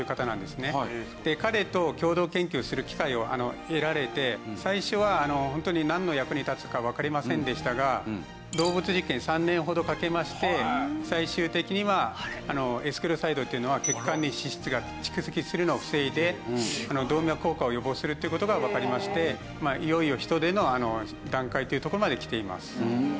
彼と共同研究する機会を得られて最初はホントになんの役に立つかわかりませんでしたが動物実験に３年ほどかけまして最終的にはエスクレオサイドっていうのは血管に脂質が蓄積するのを防いで動脈硬化を予防するという事がわかりましていよいよ人での段階というところまできています。